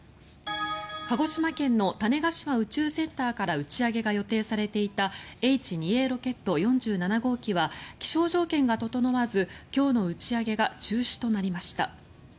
鹿児島県の種子島宇宙センターから打ち上げが予定されていたＨ２Ａロケット４７号機は気象条件が整わず今日の打ち上げが中止となりました。